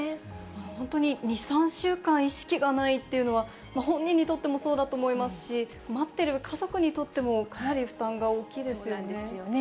本当に２、３週間意識がないというのは、本人にとってもそうだと思いますし、待ってる家族にとっても、そうなんですよね。